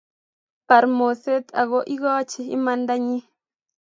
Bar moset ako ikochi imandanyi